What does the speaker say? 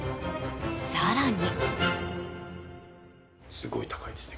更に。